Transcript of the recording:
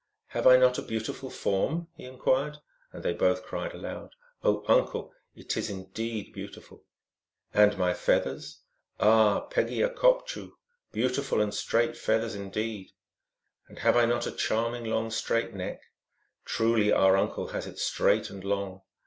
" Have I not a beautiful form ?" he inquired ; and they both cried aloud, " Oh, uncle, it is indeed beautiful !"" And my feathers ?"" Ah, pegeakopchu " (M.), " Beauti ful and straight feathers indeed !"" And have I not a charming long, straight neck ?"" Truly our uncle has it straight and long."